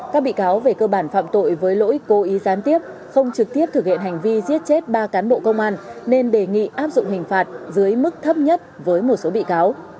các bị cáo về cơ bản phạm tội với lỗi cố ý gián tiếp không trực tiếp thực hiện hành vi giết chết ba cán bộ công an nên đề nghị áp dụng hình phạt dưới mức thấp nhất với một số bị cáo